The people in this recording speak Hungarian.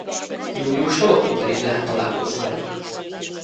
Júliustól októberig lehet találkozni velük.